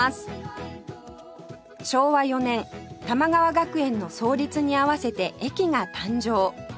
昭和４年玉川学園の創立に合わせて駅が誕生